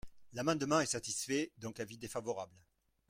L’amendement est satisfait donc avis défavorable.